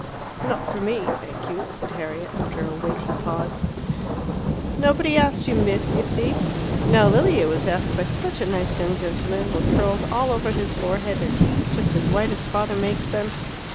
"Not for me, thank you," said Harriet, after a weighty pause. "Nobody asked you, Miss, you see. Now Lilia was asked by such a nice young gentleman, with curls all over his forehead, and teeth just as white as father makes them."